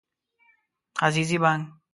عزیزي بانګ